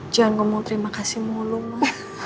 jangan gue mau terima kasih mulu ma